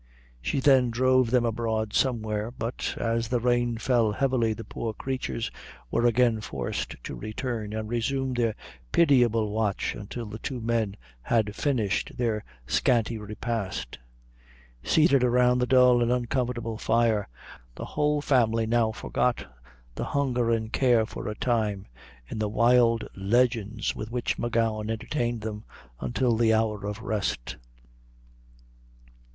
She then drove them abroad somewhere, but as the rain fell heavily the poor creatures were again forced to return, and resume their pitiable watch until the two men had finished their scanty repast. Seated around the dull and uncomfortable fire, the whole family now forgot the hunger and care for a time, in the wild legends with which M'Gowan entertained them, until the hour of rest.